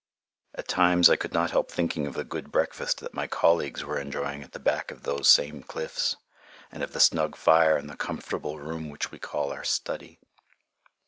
At times I could not help thinking of the good breakfast that my colleagues were enjoying at the back of those same cliffs, and of the snug fire and the comfortable room which we call our study.